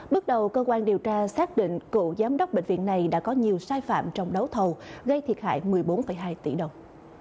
bước đầu cơ quan điều tra xác định cựu giám đốc bệnh viện này đã có nhiều sai phạm trong đấu thầu gây thiệt hại một mươi bốn hai tỷ đồng